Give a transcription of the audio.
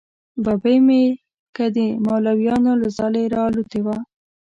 ببۍ مې که د مولیانو له ځالې را الوتې وه.